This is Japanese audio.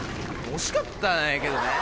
惜しかったけどね。